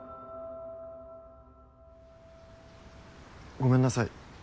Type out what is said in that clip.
ごめんなさい。